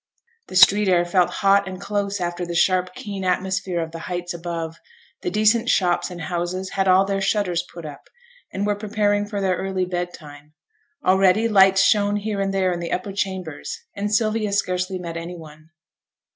The street air felt hot and close after the sharp keen atmosphere of the heights above; the decent shops and houses had all their shutters put up, and were preparing for their early bed time. Already lights shone here and there in the upper chambers, and Sylvia scarcely met any one.